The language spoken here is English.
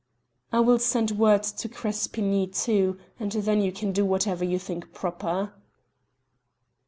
"I will send word to Crespigny too, and then you can do whatever you think proper."